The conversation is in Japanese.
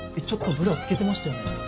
ちょっとブラ透けてましたよね。